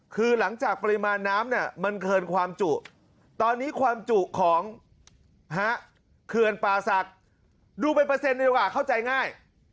คือหลังจากปริมาณน้ำเนี่ยมันเกินความจุตอนนี้ความจุของเขื่อนป่าศักดิ์ดูเป็นเปอร์เซ็นต์ดีกว่าเข้าใจง่าย